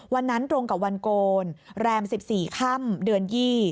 วันนั้นตรงกับวันโกนแรม๑๔ค่ำเดือน๒